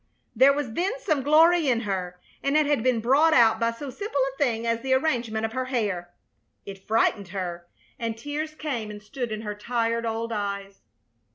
There was then some glory in her, and it had been brought out by so simple a thing as the arrangement of her hair. It frightened her, and tears came and stood in her tired old eyes.